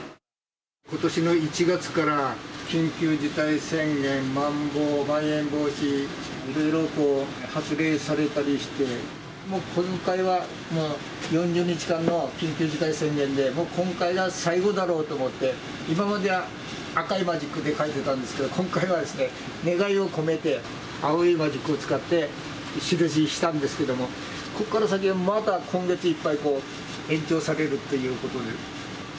ことしの１月から緊急事態宣言、まん防・まん延防止、それが発令されたりして、今回は４０日間の緊急事態宣言でもう今回が最後だろうと思って、今までは赤いマジックで書いてたんですけど、今回は願いを込めて、青いマジックを使って印したんですけども、ここから先は、また今月いっぱい延長されるっていうことで。